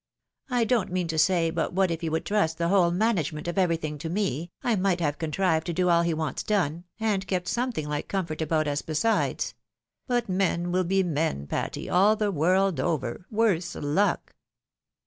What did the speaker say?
I don't mean to say but what if he would trust the whole management of everything to me, I might have contrived to do all he wants done, and kept something like comfort about us besides ; but men will be men, Patty, all the world over, worse luck